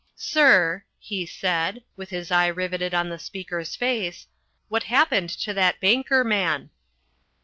"Sir," he said, with his eye riveted on the speaker's face, "what happened to that banker man?"